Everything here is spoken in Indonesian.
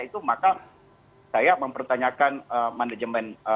itu maka saya mempertanyakan manajemen